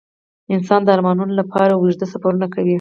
انسانان د ارمانونو لپاره اوږده سفرونه کوي.